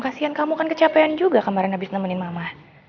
kasian kamu kan kecapean juga kemarin habis nemenin mama